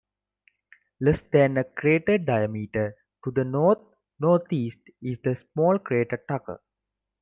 Less than a crater diameter to the north-northeast is the small crater Tucker.